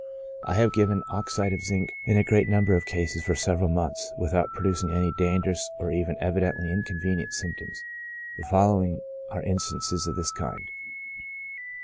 I have given oxide of 90 CHRONIC ALCOHOLISM. zinc in a great number of cases for several months, without producing any dangerous, or even evidently inconvenient symptoms. The following are instances of this kind.